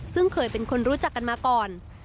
ซึ่งเคยเป็นคนรู้จักกันมาก่อน